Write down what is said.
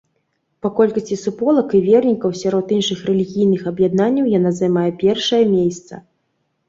Па колькасці суполак і вернікаў сярод іншых рэлігійных аб'яднанняў яна займае першае месца.